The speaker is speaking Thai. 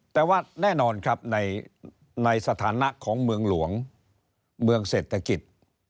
แต่ว่าแน่นอนครับในสถานะของเมืองหลวงเมืองเศรษฐกิจ